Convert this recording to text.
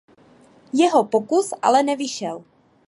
Jeho pokus ale nevyšel.